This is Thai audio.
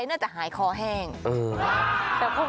แต่พวกไม่หายเหมา